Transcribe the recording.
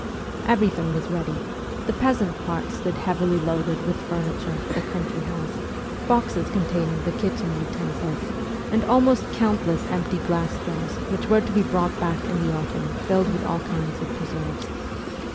Everything was ready : the peasant carts stood heavily loaded with furniture for the country house, boxes containing the kitchen utensils, and almost countless empty glass jars which were to be brought back in the autumn filled with all kinds of preserves.